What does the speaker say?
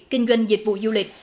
kinh doanh dịch vụ du lịch